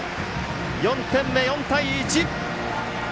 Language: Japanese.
４点目、４対１！